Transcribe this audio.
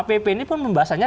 pp ini pun membahasanya